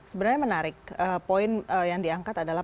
sebenarnya menarik poin yang diangkat adalah